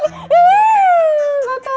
ih gak tau